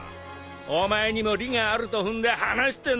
お前にも利があると踏んで話してんのよ。